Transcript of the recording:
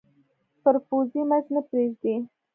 پر پوزې مچ نه پرېږدي